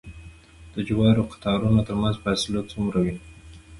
د جوارو د قطارونو ترمنځ فاصله څومره وي؟